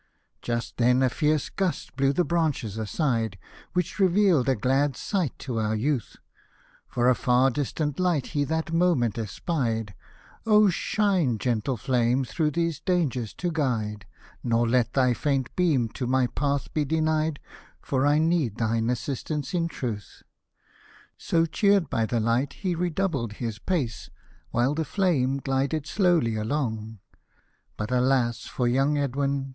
Just then a fierce gust blew the branches aside, Which reveal'd a glad sight to our youth ; For a far distant light he that moment espied ; 108 " O ! shine, gentle flame, through these dangers to guide, Nor let thy faint beam to my path be denied, For I need thine assistance in truth." So, cheer'd by the light, he redoubled his pace, While the flame glided slowly along ; But alas ! for young Edwin